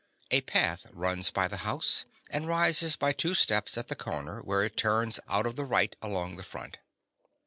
A path runs by the house, and rises by two steps at the corner where it turns out of the right along the front.